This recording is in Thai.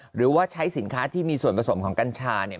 หรือว่าใช้สินค้าที่มีส่วนผสมของกัญชาเนี่ย